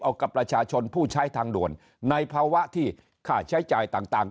เอากับประชาชนผู้ใช้ทางด่วนในภาวะที่ค่าใช้จ่ายต่าง